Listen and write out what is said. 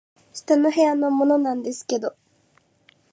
「下の部屋のものなんですけど」